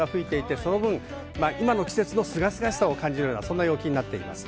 今の季節のすがすがしいさを感じるような陽気になっています。